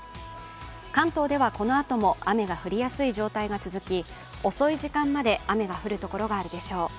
関東ではこのあとも雨が降りやすい状態が続き遅い時間まで雨が降るところがあるでしょう。